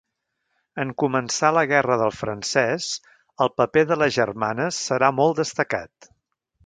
En començar la Guerra del Francès, el paper de les germanes serà molt destacat.